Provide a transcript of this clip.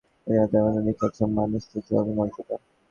কারণ রাসূলের নিকট তার পিতামাতার রয়েছে নিখাদ সম্মান ও সুউচ্চ মর্যাদা।